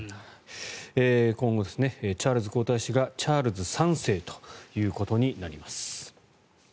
今後、チャールズ皇太子がチャールズ３世となります。